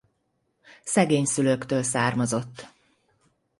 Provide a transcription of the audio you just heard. Szegény szülőktől származott.